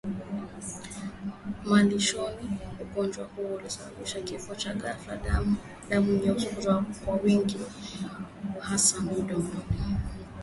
malishoni Ugonjwa huu husababisha kifo cha ghafla Damu nyeusi hutoka kwa wingi hasa mdomoni